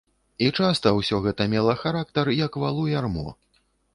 І часта ўсё гэта мела характар, як валу ярмо.